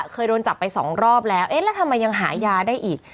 เคยโดนจับไปสองรอบแล้วเอ๊ะแล้วทำไมยังหายาได้อีก